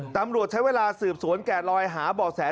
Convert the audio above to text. ตำรวจใช้เวลาสืบสวนแก่ลอยหาบ่อแส